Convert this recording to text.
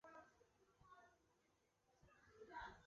今天晚上有宴会